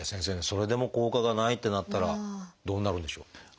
それでも効果がないってなったらどうなるんでしょう？